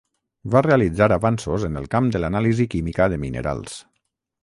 Va realitzar avanços en el camp de l'anàlisi química de minerals.